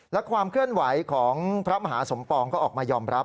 และความเคลื่อนไหวของพระมหาสมปองก็ออกมายอมรับ